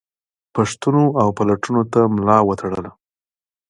پوښتنو او پلټنو ته ملا وتړله.